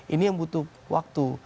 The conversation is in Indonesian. ini yang butuh waktu